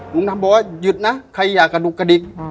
ลุงดำบอกว่าหยุดนะใครอยากกระดุกกระดิก